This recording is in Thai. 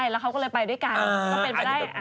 แล้วเขาก็เลยไปด้วยกัน